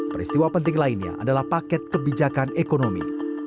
peristiwa penting lainnya adalah paket kebijakan ekonomi